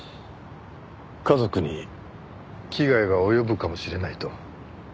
家族に危害が及ぶかもしれないと？